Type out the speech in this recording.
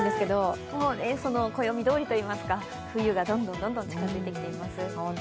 暦どおりと言いますし、冬がどんどん近づいてきています。